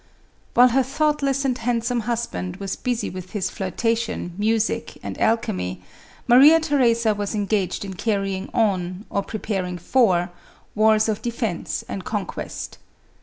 While her thoughtless and handsome husband was busy with his flirtation, music and alchemy, Maria Theresa was engaged in carrying on, or preparing for, ware of defence and conquest.